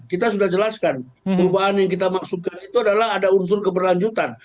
kita sudah jelaskan perubahan yang kita maksudkan itu adalah ada unsur keberlanjutan